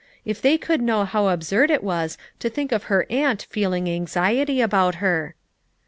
If they could know how absurd it was to think of her aunt feeling anxiety about her